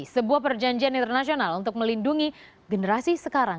sebuah perjanjian internasional untuk melindungi generasi sekarang